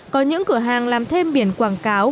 có những cửa hàng làm thêm biển quảng cáo